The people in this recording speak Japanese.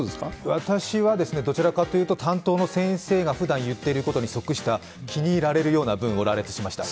私はどちらかというと担当の先生がふだん言っていることに即した気に入られるような文を羅列しました。